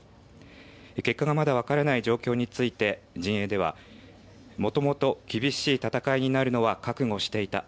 結果がまだ分からない状況について陣営ではもともと厳しい戦いになるのは覚悟していた。